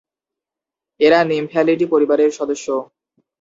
এরা ‘নিমফ্যালিডি’ পরিবারের সদস্য।